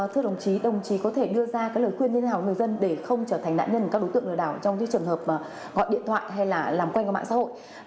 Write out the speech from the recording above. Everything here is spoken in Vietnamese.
thưa đồng chí đồng chí có thể đưa ra các lời khuyên như thế nào người dân để không trở thành nạn nhân của các đối tượng lừa đảo trong trường hợp gọi điện thoại hay là làm quen qua mạng xã hội